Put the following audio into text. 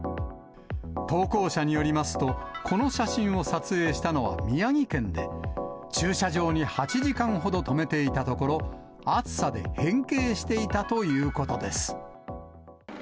投稿者によりますと、この写真を撮影したのは宮城県で、駐車場に８時間ほど止めていたところ、暑さで変形していたということです。